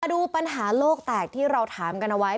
ดูปัญหาโลกแตกที่เราถามกันเอาไว้